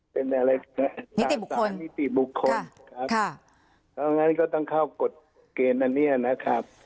เพราะฉะนั้นก็ต้องเข้ากฎเกณฑ์อันนี้นะครับ